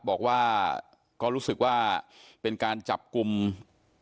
บอกว่าก็รู้สึกว่าเป็นการจับกลุ่มที่ไม่เป็นธรรมนะครับ